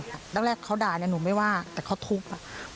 ตั้งแรกเขาด่าไม่ว่าแต่เขาทุกอย่าง